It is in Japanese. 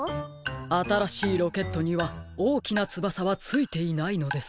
あたらしいロケットにはおおきなつばさはついていないのです。